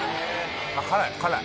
辛い辛い。